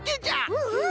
うんうん！